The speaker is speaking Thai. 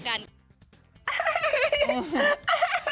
กมาน่ะ